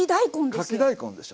かき大根でしょ。